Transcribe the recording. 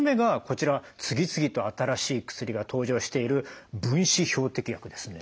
次々と新しい薬が登場している分子標的薬ですね。